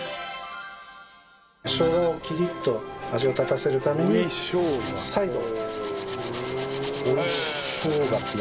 しょうがをキリッと味を立たせるために再度。